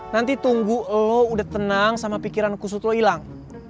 nanti tunggu lo udah tenang sama pikiran kusut lo hilang